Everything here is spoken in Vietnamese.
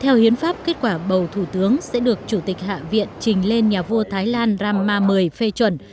theo hiến pháp kết quả bầu thủ tướng sẽ được chủ tịch hạ viện trình lên nhà vua thái lan ramary phê chuẩn